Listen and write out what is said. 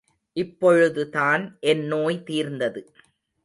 இப்பொழுதுதான் என் நோய் தீர்ந்தது.